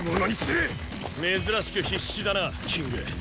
珍しく必死だなキング。